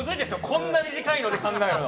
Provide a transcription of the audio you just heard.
こんな短いので考えるの。